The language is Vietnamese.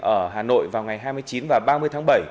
ở hà nội vào ngày hai mươi chín và ba mươi tháng bảy